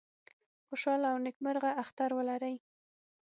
خوشاله او نیکمرغه اختر ولرئ